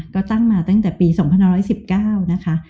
ก็ตั้งมาตั้งแต่ปี๒๑๑๙นะคะ